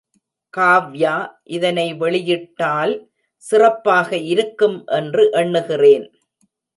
காவ்யா இதனை வெளியிட்டால் சிறப்பாக இருக்கும் என்று எண்ணுகிறேன்.